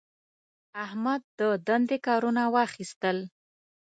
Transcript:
احمد د دندې کارونه هم واخیستل.